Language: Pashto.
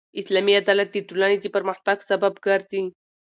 اسلامي عدالت د ټولني د پرمختګ سبب ګرځي.